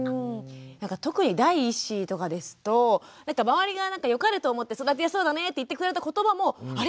特に第一子とかですと周りが良かれと思って育てやすそうだねって言ってくれたことばもあれ？